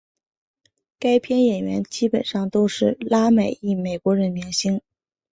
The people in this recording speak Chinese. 该片演员基本上都是拉美裔美国人明星。